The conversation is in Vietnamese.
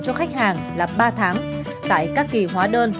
cho khách hàng là ba tháng tại các kỳ hóa đơn